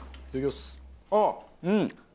ああうん。